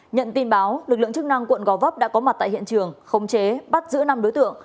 nhận tin báo lực lượng chức năng quận gò vấp đã có mặt tại hiện trường khống chế bắt giữ năm đối tượng